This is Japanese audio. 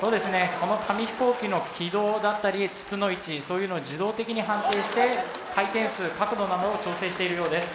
この紙飛行機の軌道だったり筒の位置そういうのを自動的に判定して回転数角度などを調整しているようです。